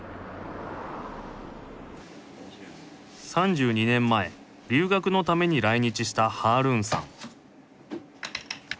３２年前留学のために来日したハールーンさん